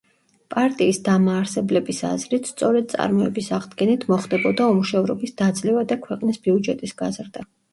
პარტიის დამაარსებლების აზრით, სწორედ წარმოების აღდგენით მოხდებოდა უმუშევრობის დაძლევა და ქვეყნის ბიუჯეტის გაზრდა.